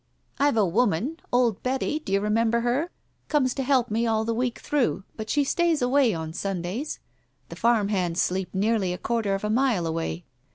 "I've a woman — old Betty — do you remember her? — comes to help me all the week through, but she stays away on Sundays. The farm hands sleep nearly a quarter of a mile away.